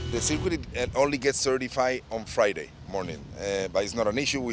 sekurang kurangnya sekurang kurangnya akan diperkirakan pada hari jumat